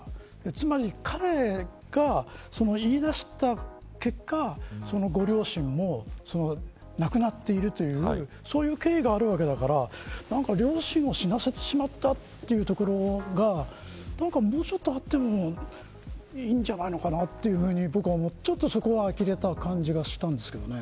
つまり彼が言い出した結果ご両親も亡くなっているというそういう経緯があるわけだから両親を死なせてしまったというところがもうちょっとあってもいいんじゃないかなというふうに僕はちょっとそこは呆れた感じがしたんですけどね。